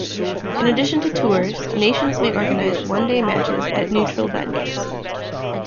In addition to tours, nations may organise one-day matches at neutral venues.